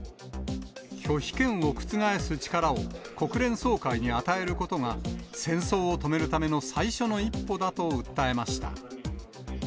拒否権を覆す力を国連総会に与えることが戦争を止めるための最初の一歩だと訴えました。